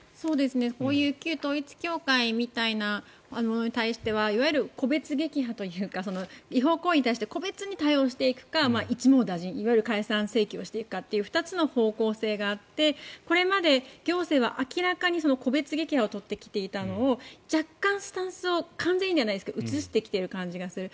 こういう旧統一教会みたいなものに対してはいわゆる個別撃破というか違法行為に対して個別に対応していくか一網打尽いわゆる解散請求をしていくかっていう２つの方向性があってこれまで行政は明らかに個別撃破を取ってきたのを若干、スタンスを完全にではないですが移してきている感じがする。